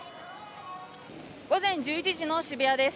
午前１１時の渋谷です。